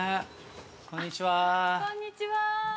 ◆こんにちは。